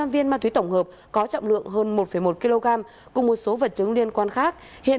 một mươi bốn trăm linh viên ma túy tổng hợp có trọng lượng hơn một một kg cùng một số vật chứng liên quan khác hiện